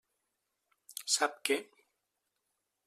Sap què?